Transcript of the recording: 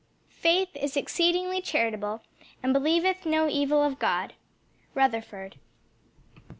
"Faith is exceedingly charitable and believeth no evil of God." _Rutherford.